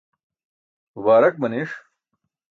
bubaarak maniṣ